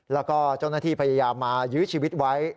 แล้วก็เจ้าหน้าที่พยายามมายื้อชีวิตไว้